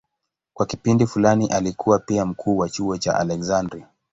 Kwa kipindi fulani alikuwa pia mkuu wa chuo cha Aleksandria.